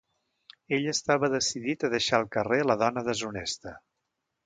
Ell estava decidit a deixar al carrer la dona deshonesta.